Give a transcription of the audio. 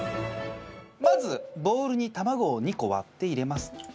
まずボウルに卵を２個割って入れます。